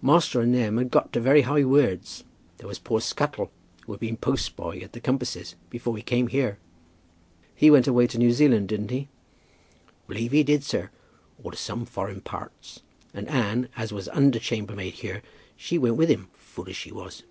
Master and them had got to very high words. There was poor Scuttle, who had been post boy at 'The Compasses' before he came here." "He went away to New Zealand, didn't he?" "B'leve he did, sir; or to some foreign parts. And Anne, as was under chambermaid here; she went with him, fool as she was.